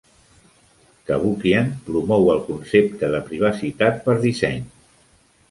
Cavoukian promou el concepte de privacitat per disseny.